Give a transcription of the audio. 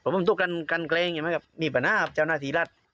ผมต้องกันกันแกรงอย่างนี้ครับมีประน่าครับเจ้าหน้าทีรัฐ